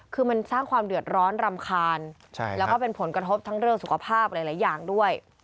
คือมันสร้างความเดือดร้อนรำคาญแล้วก็เป็นผลกระทบทั้งเรื่องสุขภาพหลายอย่างด้วย